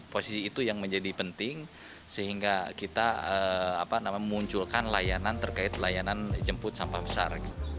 posisi itu yang menjadi penting sehingga kita memunculkan layanan terkait layanan jemput sampah besar